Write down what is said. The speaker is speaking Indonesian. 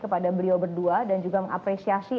kepada beliau berdua dan juga mengapresiasi